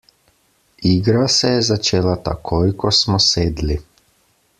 Igra se je začela takoj, ko smo sedli.